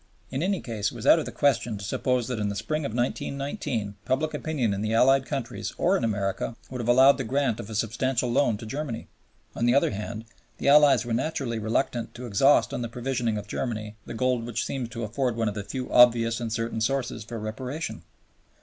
In any case, it was out of the question to suppose that in the spring of 1919 public opinion in the Allied countries or in America would have allowed the grant of a substantial loan to Germany. On the other hand, the Allies were naturally reluctant to exhaust on the provisioning of Germany the gold which seemed to afford one of the few obvious and certain sources for Reparation.